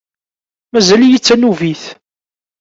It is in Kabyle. Mazal-iyi d tanubit.